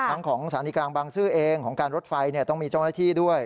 ของสถานีกลางบางซื่อเองของการรถไฟต้องมีเจ้าหน้าที่ด้วย